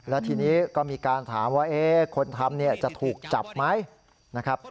แล้วทีนี้ก็มีการถามว่าคนทำจะถูกจับไหมนะครับ